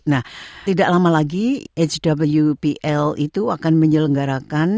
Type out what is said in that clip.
nah tidak lama lagi hwpl itu akan menyelenggarakan